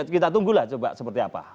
kita tunggulah coba seperti apa